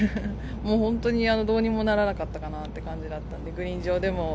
もう本当にどうにもならなかったかなという感じなんで、グリーン上でも、